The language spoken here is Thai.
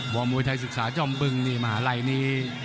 บ่อมวยไทยศึกษาจอมบึงมหาลัยนี้